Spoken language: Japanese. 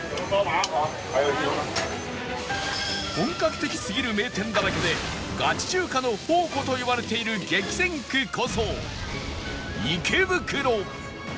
本格的すぎる名店だらけでガチ中華の宝庫といわれている激戦区こそ池袋